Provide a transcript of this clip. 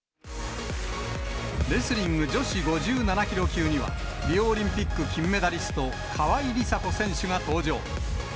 レスリング女子５７キロ級には、リオオリンピック金メダリスト、川井梨紗子選手が登場。